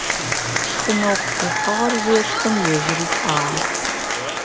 Шхынэу къыфихьыгъэр зешхым, ежьыри лӀагъэ.